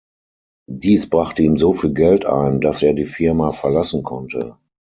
Dies brachte ihm so viel Geld ein, dass er die Firma verlassen konnte.